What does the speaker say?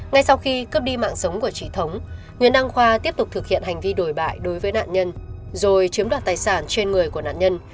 ngay sau khi cướp đi mạng sống của chị thống nguyễn đăng khoa tiếp tục thực hiện hành vi đổi bại đối với nạn nhân rồi chiếm đoạt tài sản trên người của nạn nhân